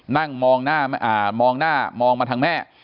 นั่งมองมาทางแม่